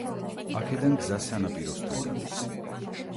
აქედან გზა სანაპიროსთან გადის.